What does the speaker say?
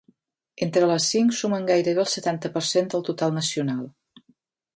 Entre les cinc sumen gairebé el setanta per cent del total nacional.